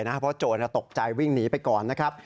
เพราะโจรตกใจวิ่งหนีไปก่อนนะครับ